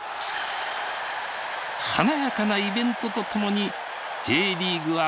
華やかなイベントとともにＪリーグは開幕した。